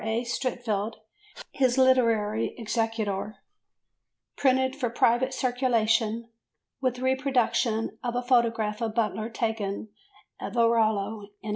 A. Streatfeild, his literary executor, printed for private circulation: with reproduction of a photograph of Butler taken at Varallo in 1889.